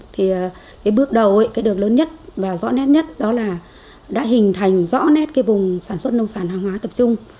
thì bước đầu được lớn nhất và rõ nét nhất đó là đã hình thành rõ nét vùng sản xuất nông sản hàng hóa tập trung